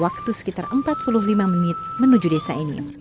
waktu sekitar empat puluh lima menit menuju desa ini